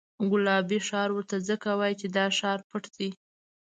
ګلابي ښار ورته ځکه وایي چې دا ښار پټ دی.